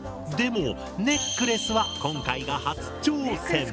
でもネックレスは今回が初挑戦！